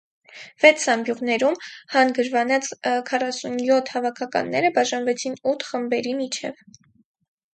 Վեց զամբյուղներում հանգրվանած քառասունյոթ հավաքականները բաժանվեցին ութ խմբերի միջև։